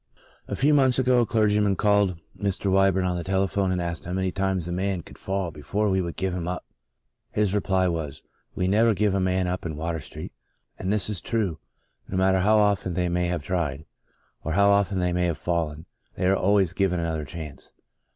A few months ago a clergyman called Mr. Wyburn on the tele phone and asked how many times a man could fall before we would give him up. His reply was, "We never give a man up in Water Street." And this is true. No matter how often they may have tried, or how often they may have fallen, they are always given another chance.